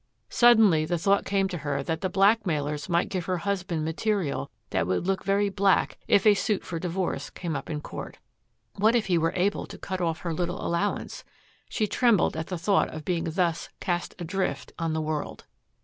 Suddenly the thought came to her that the blackmailers might give her husband material that would look very black if a suit for divorce came up in court. What if he were able to cut off her little allowance? She trembled at the thought of being thus cast adrift on the world.